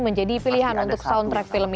menjadi pilihan untuk soundtrack film ini